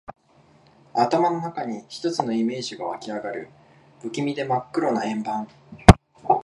頭の中に一つのイメージが湧きあがる。不気味で真っ黒な円盤。